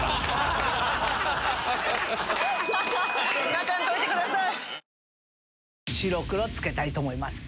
泣かんといてください。